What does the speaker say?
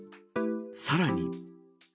さらに。